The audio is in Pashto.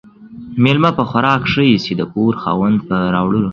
ميلمه په خوراک ِښه ايسي ، د کور خاوند ، په راوړلو.